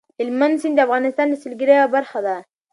هلمند سیند د افغانستان د سیلګرۍ یوه برخه ده.